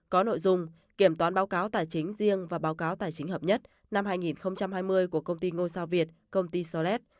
có nội dung kiểm toán báo cáo tài chính riêng và báo cáo tài chính hợp nhất năm hai nghìn hai mươi của công ty ngôi sao việt công ty solet